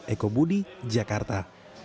eko budi jakarta